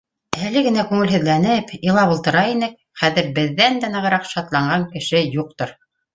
Әле генә күңелһеҙләнеп, илап ултыра инек, хәҙер беҙҙән дә нығыраҡ шатланған кеше юҡтыр.